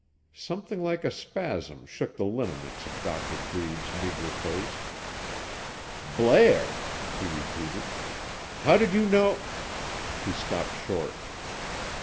Something like a spasm shook the lineaments of Doctor Breed's meager face. "Blair!" he repeated. "How did you know—" He stopped short.